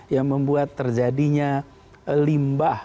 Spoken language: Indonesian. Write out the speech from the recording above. yang membuat terjadinya limbah